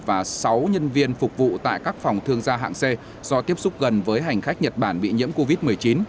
và sáu nhân viên phục vụ tại các phòng thương gia hạng c do tiếp xúc gần với hành khách nhật bản bị nhiễm covid một mươi chín